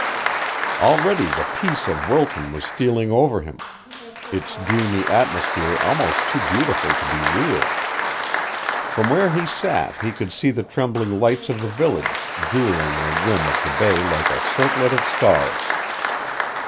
Already the peace of Wilton was stealing over him, its dreamy atmosphere almost too beautiful to be real. From where he sat he could see the trembling lights of the village jewelling the rim of the bay like a circlet of stars.